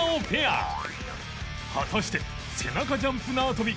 果たして背中ジャンプ縄跳び